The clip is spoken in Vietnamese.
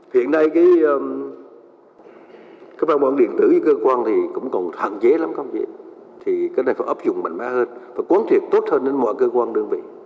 hiện nay các văn bản điện tử như cơ quan thì cũng còn hạn chế lắm công việc thì cái này phải ấp dụng mạnh mẽ hơn và cuốn thiệt tốt hơn đến mọi cơ quan đơn vị